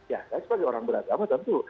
ya saya sebagai orang beragama tentu